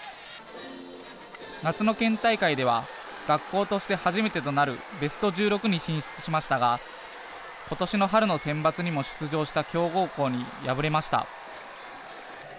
夏の県大会では学校として初めてとなるベスト１６に進出しましたが今年の春のセンバツにも出場した強豪校に敗れました。